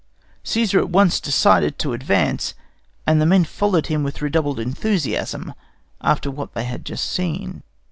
Cæsar at once decided to advance, and the men followed him with redoubled enthusiasm after what they had just seen.